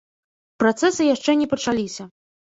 Працэсы яшчэ не пачаліся.